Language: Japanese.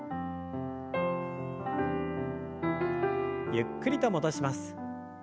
ゆっくりと戻します。